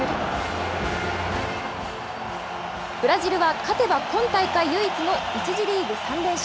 ブラジルは勝てば今大会唯一の１次リーグ３連勝。